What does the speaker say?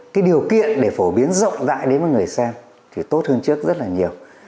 cái điều kiện để phổ biến rộng rãi đến với người xem thì tốt hơn trước rất là nhiều